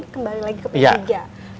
kembali lagi ke p tiga